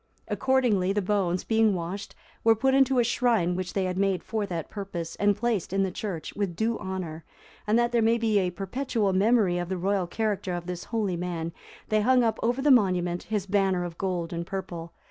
Accordingly, the bones, being washed, were put into a shrine which they had made for that purpose, and placed in the church, with due honour; and that there might be a perpetual memorial of the royal character of this holy man, they hung up over the monument his banner of gold and purple.